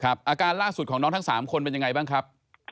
อาการล่าสุดของน้องทั้ง๓คนเป็นยังไงบ้างครับ